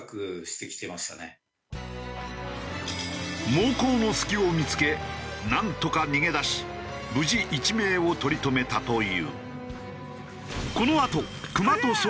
猛攻の隙を見付けなんとか逃げ出し無事一命を取り留めたという。